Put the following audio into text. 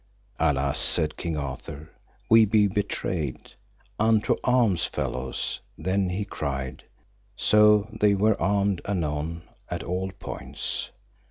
Alas, said King Arthur, we be betrayed! Unto arms, fellows, then he cried. So they were armed anon at all points.